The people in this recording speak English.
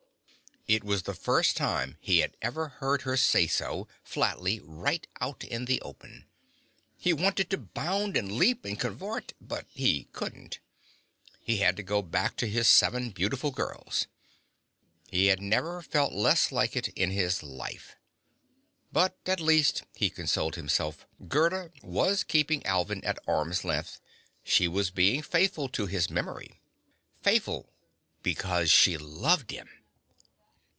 _ It was the first time he had ever heard her say so, flatly, right out in the open. He wanted to bound and leap and cavort but he couldn't. He had to go back to his seven beautiful girls. He had never felt less like it in his life. But at least, he consoled himself, Gerda was keeping Alvin at arm's length. She was being faithful to his memory. Faithful because she loved him.